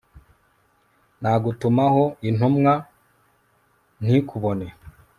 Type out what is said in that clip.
nagutumaho intumwa ntikubone